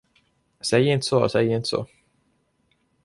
Säg inte så, säg inte så.